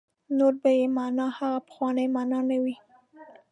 نور به یې معنا هغه پخوانۍ معنا نه وي.